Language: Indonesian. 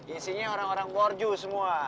isinya orang orang worju semua